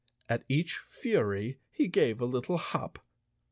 At each fury he gave a little hop.